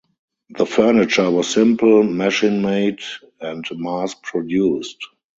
The furniture was simple, machine-made and mass-produced.